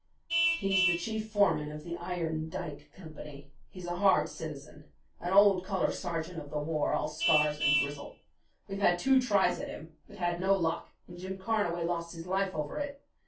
"He's the chief foreman of the Iron Dike Company. He's a hard citizen, an old colour sergeant of the war, all scars and grizzle. We've had two tries at him; but had no luck, and Jim Carnaway lost his life over it.